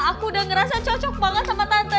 aku udah ngerasa cocok banget sama tante